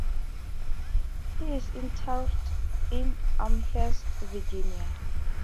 He is interred in Amherst, Virginia.